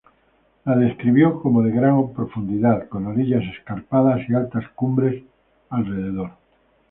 La describió como de gran profundidad, con orillas escarpadas y altas cumbres alrededor.